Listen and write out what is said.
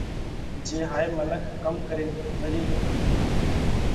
جي هائي منک ڪم مري ڳيو؟ ُ